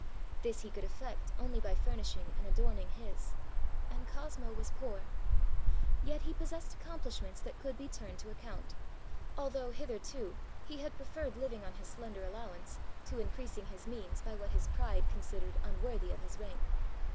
This he could effect only by furnishing and adorning his. And Cosmo was poor. Yet he possessed accomplishments that could be turned to account; although, hitherto, he had preferred living on his slender allowance, to increasing his means by what his pride considered unworthy of his rank.